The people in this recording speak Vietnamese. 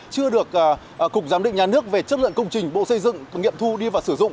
chưa được cục giám định nhà nước về chất lượng công trình bộ xây dựng nghiệm thu đi và sử dụng